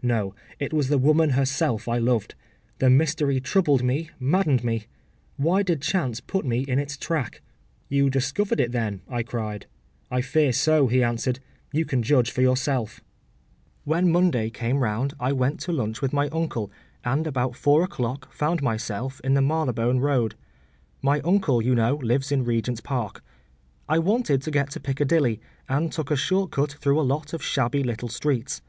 No; it was the woman herself I loved. The mystery troubled me, maddened me. Why did chance put me in its track?’ ‘You discovered it, then?’ I cried. ‘I fear so,’ he answered. ‘You can judge for yourself.’ ‘When Monday came round I went to lunch with my uncle, and about four o’clock found myself in the Marylebone Road. My uncle, you know, lives in Regent’s Park. I wanted to get to Piccadilly, and took a short cut through a lot of shabby little streets.